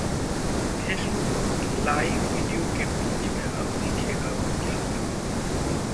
Facebook live video के बीच में अब दिखेगा विज्ञापन